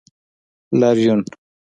لاریون